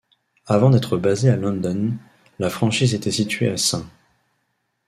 Avant d'être basée à London, la franchise était située à St.